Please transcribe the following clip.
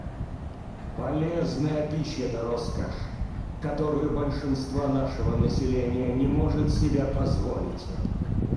Полезная пища — это роскошь, которую большинство нашего населения не может себе позволить.